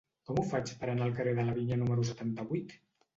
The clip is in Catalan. Com ho faig per anar al carrer de la Vinya número setanta-vuit?